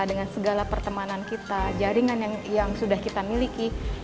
dengan segala pertemanan kita jaringan yang sudah kita miliki